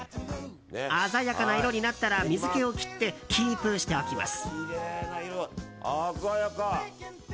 鮮やかな色になったら水気を切ってキープしておきます。